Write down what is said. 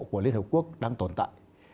của liên hợp quốc đang tồn tại